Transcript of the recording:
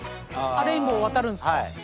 レインボー渡るんすか。